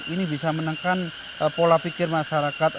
ini bisa menekan pola pikir masyarakat